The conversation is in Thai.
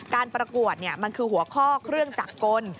ประกวดมันคือหัวข้อเครื่องจักรกล